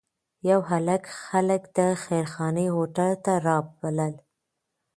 یو هلک خلک د خیرخانې هوټل ته رابلل.